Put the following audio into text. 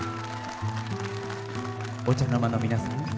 お茶の間の皆さん